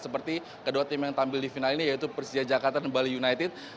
seperti kedua tim yang tampil di final ini yaitu persija jakarta dan bali united